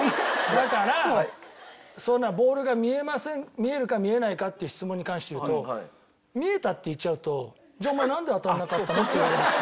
だからボールが見えません見えるか見えないかっていう質問に関して言うと「見えた」って言っちゃうと「じゃあお前なんで当たらなかったの？」って言われるし。